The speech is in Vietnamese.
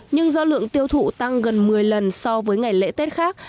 nhưng do lượng tiêu thụ tăng gần một mươi lần so với ngày lễ tết khác